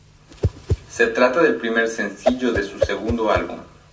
Se trata del primer sencillo de su segundo álbum.